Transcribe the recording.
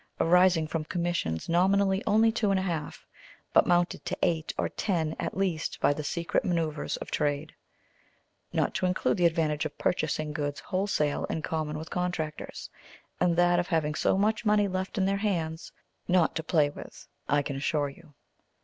arising from commissions nominally only two and a half, but mounted to eight or ten at least by the secret manoeuvres of trade, not to include the advantage of purchasing goods wholesale in common with contractors, and that of having so much money left in their hands, not to play with, I can assure you.